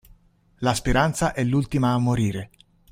La speranza è l'ultima a morire.